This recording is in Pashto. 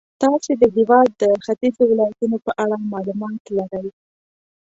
تاسې د هېواد د ختیځو ولایتونو په اړه معلومات لرئ.